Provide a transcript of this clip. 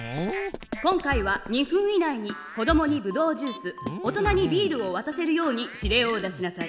今回は２分以内に子どもにブドウジュース大人にビールをわたせるように指令を出しなさい。